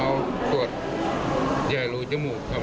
เขาตรวจใหญ่หลูจมูกเข้าไป